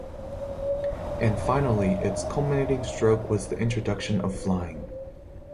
And, finally, its culminating stroke was the introduction of flying.